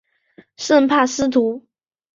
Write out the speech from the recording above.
圣帕斯图。